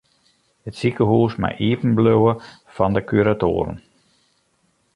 It sikehús mei iepen bliuwe fan de kuratoaren.